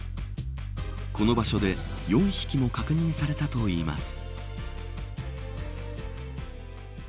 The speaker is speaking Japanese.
この場所で４匹も確認されたといいます。